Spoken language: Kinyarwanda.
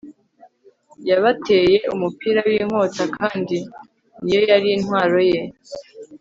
yabateye umupira w'inkota kandi niyo yarintwaro ye